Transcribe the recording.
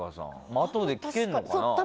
あとで聞けるのかな、中継。